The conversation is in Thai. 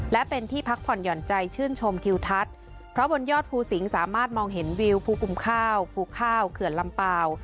และเป็นที่พักผ่อนหย่อนใจชื่นชมทิวทัศน์เพราะบนยอดภูสิงศ์สามารถมองเห็นวิวภูกลุ่มข้าวภูข้าวเขื่อนลำเปล่า